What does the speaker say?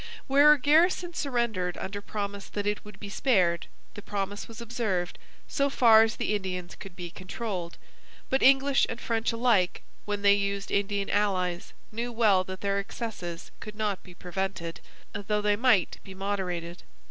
Where a garrison surrendered under promise that it would be spared, the promise was observed so far as the Indians could be controlled; but English and French alike when they used Indian allies knew well that their excesses could not be prevented, though they might be moderated.